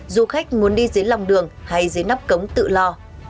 du khách muốn đi dưới lòng đường hay dưới nắp cống tự lo